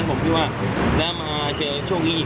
ผมคิดว่าแล้วมาเจอช่วงนี้อีก